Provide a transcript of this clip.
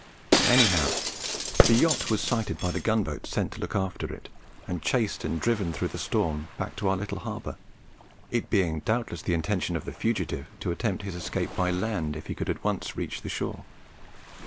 Anyhow the yacht was sighted by the gunboat sent to look after it, and chased and driven through the storm back to our little harbour, it being doubtless the intention of the fugitive to attempt his escape by land if he could once reach the shore.